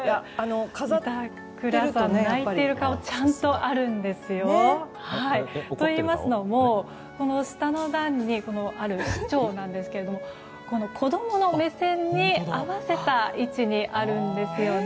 板倉さん、泣いてる顔ちゃんとあるんですよ。といいますのも下の段にある仕丁なんですけど子供の目線に合わせた位置にあるんですよね。